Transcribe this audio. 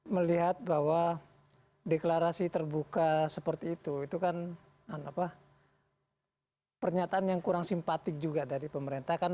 melihat bahwa deklarasi terbuka seperti itu itu kan pernyataan yang kurang simpatik juga dari pemerintah kan